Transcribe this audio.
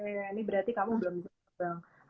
ini berarti kamu belum terbang